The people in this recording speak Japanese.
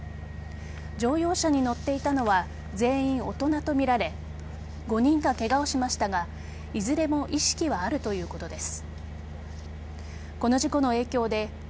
乗用車に乗っていたのは全員、大人とみられ５人がケガをしましたがいずれも意識はあるということです。